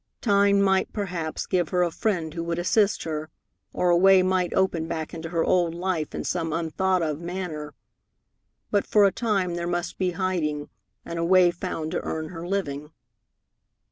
Time might, perhaps, give her a friend who would assist her, or a way might open back into her old life in some unthought of manner, but for a time there must be hiding and a way found to earn her living.